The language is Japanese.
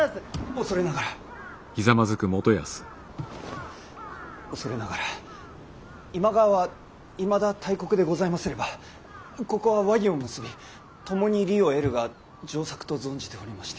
恐れながら恐れながら今川はいまだ大国でございますればここは和議を結び共に利を得るが上策と存じておりまして。